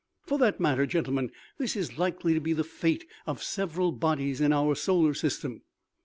" For that matter, gentlemen, this is likely to be the fate of several bodies in our solar system.